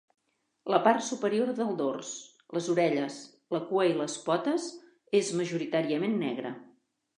La part superior del dors, les orelles, la cua i les potes és majoritàriament negre.